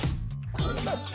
こうなった？